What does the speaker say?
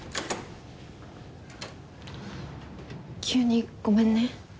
急にごめんね。